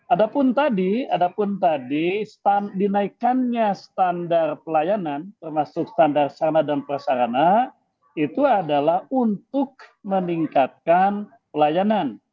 adapun tadi dinaikannya standar pelayanan termasuk standar sarana dan persarana itu adalah untuk meningkatkan pelayanan